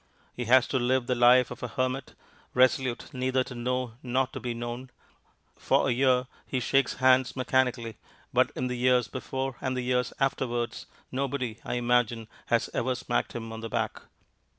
He has to live the life of a hermit, resolute neither to know nor to be known. For a year he shakes hands mechanically, but in the years before and the years afterwards, nobody, I imagine, has ever smacked him on the back.